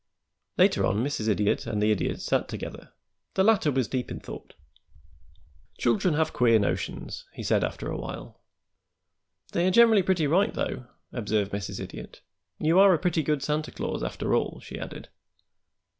Later on Mrs. Idiot and the Idiot sat together. The latter was deep in thought. "Children have queer notions," said he, after a while. "They are generally pretty right, though," observed Mrs. Idiot. "You are a pretty good Santa Claus, after all," she added.